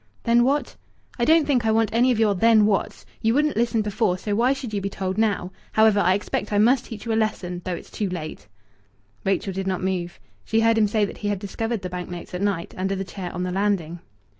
"Then what ?" "I don't think I want any of your 'Then what's.' You wouldn't listen before, so why should you be told now? However, I expect I must teach you a lesson though it's too late." Rachel did not move. She heard him say that he had discovered the bank notes at night, under the chair on the landing.